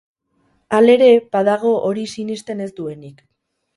Halere, badago hori sinesten ez duenik.